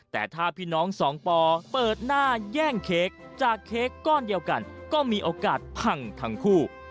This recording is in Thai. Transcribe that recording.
แต่ถ้าพี่น้องสองปอเปิดหน้าแย่งเค้กจากเค้กก้อนเดียวกันก็มีโอกาสพังทั้งคู่